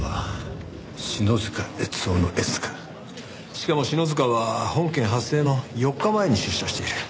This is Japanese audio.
しかも篠塚は本件発生の４日前に出所している。